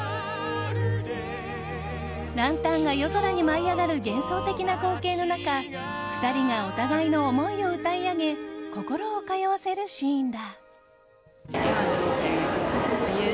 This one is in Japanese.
ランタンが夜空に舞い上がる幻想的な光景の中２人がお互いの思いを歌い上げ心を通わせるシーンだ。